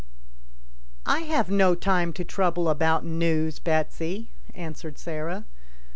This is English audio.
" I have no time to trouble about news, Betsy," answered Sarah.